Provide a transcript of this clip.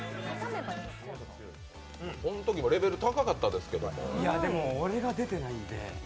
このときもレベル高かったですけれどもでも俺が出てないんで。